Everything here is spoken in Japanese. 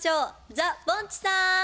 ザ・ぼんちさん！